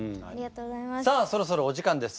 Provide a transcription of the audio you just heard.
さあそろそろお時間です。